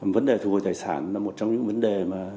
vấn đề thu hồi tài sản là một trong những vấn đề mà